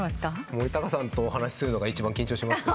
森高さんとお話しするのが一番緊張しますね。